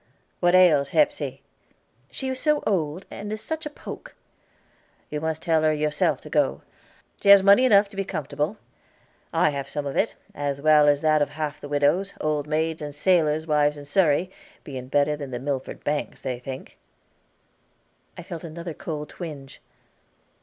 "What ails Hepsey?" "She is so old, and is such a poke." "You must tell her yourself to go. She has money enough to be comfortable; I have some of it, as well as that of half the widows, old maids, and sailors' wives in Surrey,' being better than the Milford banks, they think." I felt another cold twinge.